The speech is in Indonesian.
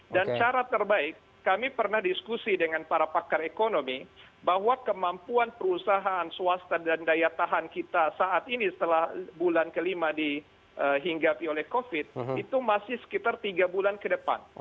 dan cara terbaik kami pernah diskusi dengan para pakar ekonomi bahwa kemampuan perusahaan swasta dan daya tahan kita saat ini setelah bulan kelima dihinggapi oleh covid itu masih sekitar tiga bulan ke depan